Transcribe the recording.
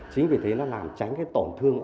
chính vì thế nó làm tránh cái tổn thương